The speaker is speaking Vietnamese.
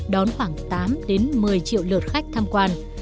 đón khoảng tám một mươi triệu lượt khách tham quan